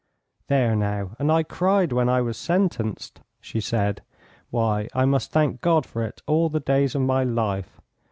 "There now, and I cried when I was sentenced," she said. "Why, I must thank God for it all the days of my life.